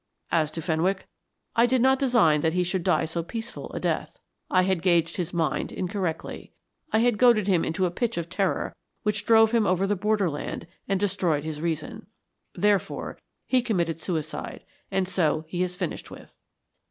As to Fenwick, I did not design that he should die so peaceful a death. I had gauged his mind incorrectly; I had goaded him into a pitch of terror which drove him over the border land and destroyed his reason. Therefore, he committed suicide, and so he is finished with."